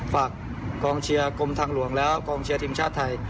กองเชียร์กรมทางหลวงแล้วกองเชียร์ทีมชาติไทย